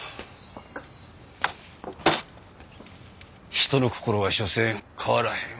人の心はしょせん変わらへん。